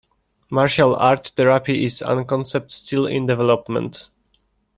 Martial arts therapy is a concept still in development.